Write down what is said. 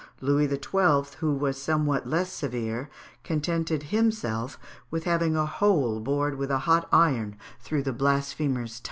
Louis XII., who was somewhat less severe, contented himself with having a hole bored with a hot iron through the blasphemer's tongue.